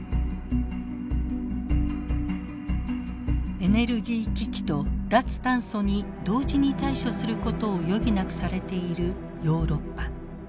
エネルギー危機と脱炭素に同時に対処することを余儀なくされているヨーロッパ。